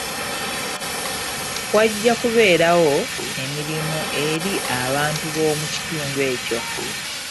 Wajja kubeerawo emirimu eri abantu b'omu kitundu ekyo.